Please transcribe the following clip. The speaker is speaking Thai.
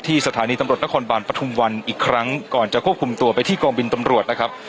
สถานีตำรวจนครบาลปฐุมวันอีกครั้งก่อนจะควบคุมตัวไปที่กองบินตำรวจนะครับ